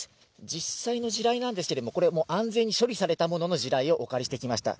実際の地雷なんですけれども、これ、安全に処理されたものの地雷をお借りしてきました。